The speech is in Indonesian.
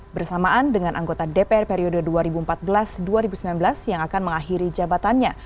bersamaan dengan anggota dpr periode dua ribu empat belas dua ribu sembilan belas yang akan mengakhiri jabatannya